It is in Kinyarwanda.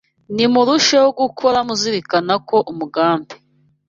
Nimurusheho guhora muzirikana ko umugambi